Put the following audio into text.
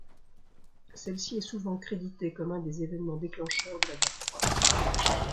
Celle-ci est souvent créditée comme un des événements déclencheur de la guerre froide.